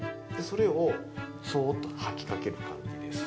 それをそうっと掃きかける感じです。